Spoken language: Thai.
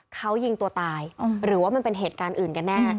เขายิงตัวตายหรือว่ามันเป็นเหตุการณ์อื่นกันแน่